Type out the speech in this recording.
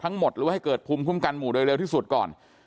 หรือว่าให้เกิดภูมิคุ้มกันหมู่โดยเร็วที่สุดก่อน